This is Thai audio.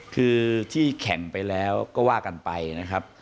คือที่แข่งไปแล้วก็ว่ากันไปนะครับ